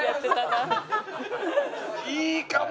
いいかも。